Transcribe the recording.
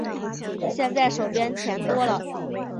现在手边钱多了